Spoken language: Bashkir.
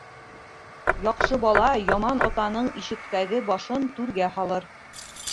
Яҡшы бала яман атаның ишектәге башын түргә һалыр